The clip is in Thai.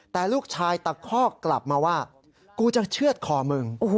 แต่ลูกชายตะคอกกลับมาว่ากูจะเชื่อดคอมึง